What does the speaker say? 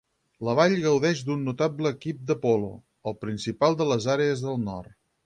La vall gaudeix d'un notable equip de polo, el principal de les Àrees del Nord.